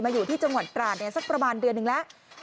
อยู่ที่จังหวัดตราดสักประมาณเดือนหนึ่งแล้ว